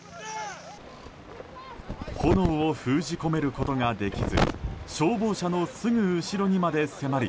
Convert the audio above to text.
炎を封じ込めることができず消防車のすぐ後ろにまで迫り